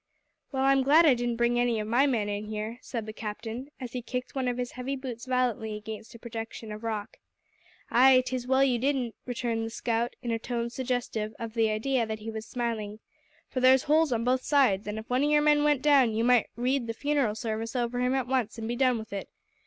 "Well, I'm glad I didn't bring any of my men in here," said the Captain, as he kicked one of his heavy boots violently against a projection of rock. "Ay 'tis as well you didn't," returned the scout, in a tone suggestive of the idea that he was smiling. "For there's holes on both sides, an' if one o' your men went down, ye might read the funeral sarvice over him at once, an' be done with it.